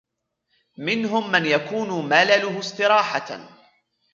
مِنْهُمْ مَنْ يَكُونُ مَلَلُهُ اسْتِرَاحَةً